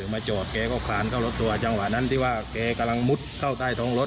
มาจอดแกก็คลานเข้ารถตัวจังหวะนั้นที่ว่าแกกำลังมุดเข้าใต้ท้องรถ